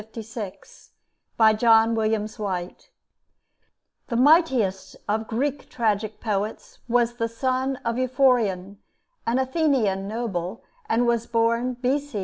525 456) BY JOHN WILLIAMS WHITE The mightiest of Greek tragic poets was the son of Euphorion, an Athenian noble, and was born B.C.